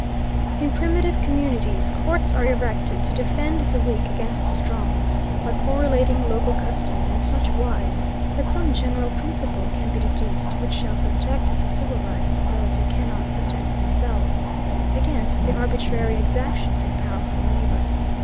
In primitive communities courts are erected to defend the weak against the strong, by correlating local customs in such wise that some general principle can be deduced which shall protect the civil rights of those who cannot protect themselves, against the arbitrary exactions of powerful neighbors.